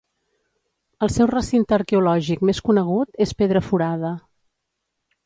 El seu recinte arqueològic més conegut és Pedra Furada.